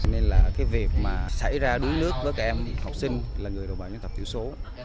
nên việc xảy ra đuối nước với các em học sinh là người đồng bào nhân tập tiểu số